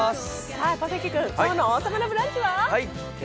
小関君、今日の「王様のブランチ」は？